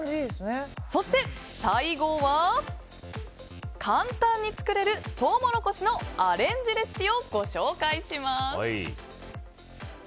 そして最後は簡単に作れるトウモロコシのアレンジレシピをご紹介します。